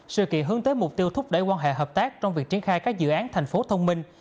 sự kiện hướng tới mục tiêu thúc đẩy quan hệ hợp tác trong việc triển khai các dự án thành phố thông minh